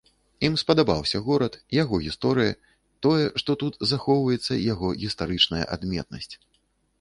Ім спадабаўся горад, яго гісторыя, тое, што тут захоўваецца яго гістарычная адметнасць.